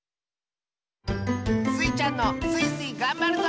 スイちゃんの「スイスイ！がんばるぞ」